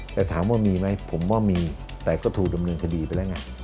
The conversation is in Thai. แต่ถามว่ามีไหมผมว่ามีแต่ก็ถูกดำเนินคดีไปแล้วไง